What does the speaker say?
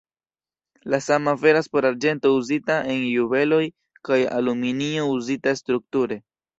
La sama veras por arĝento uzita en juveloj kaj aluminio uzita strukture.